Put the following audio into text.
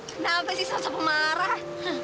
kenapa sih salsapemarah